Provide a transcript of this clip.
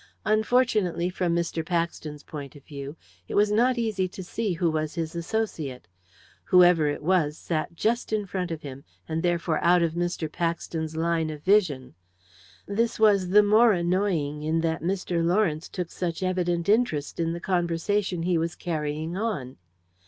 Unfortunately, from Mr. Paxton's point of view, it was not easy to see who was his associate; whoever it was sat just in front of him, and therefore out of Mr. Paxton's line of vision. This was the more annoying in that Mr. Lawrence took such evident interest in the conversation he was carrying on.